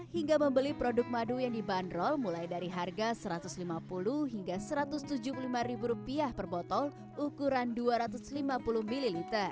hingga membeli produk madu yang dibanderol mulai dari harga rp satu ratus lima puluh hingga rp satu ratus tujuh puluh lima per botol ukuran dua ratus lima puluh ml